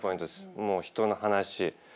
もう人の話。